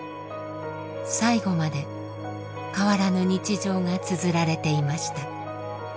最後まで変わらぬ日常がつづられていました。